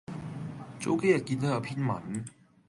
早幾日見到有篇文